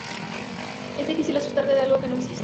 Es difícil asustarse de algo que no existe.